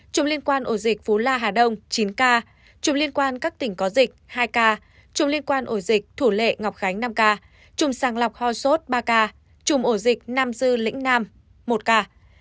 chủng liên quan đến các tỉnh có dịch hai ca chủng liên quan đến ổ dịch thủ lệ ngọc khánh năm ca chủng sàng lọc ho sốt ba ca chủng ổ dịch nam dư lĩnh nam một ca